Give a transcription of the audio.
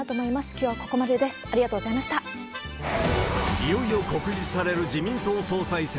いよいよ告示される自民党総裁選。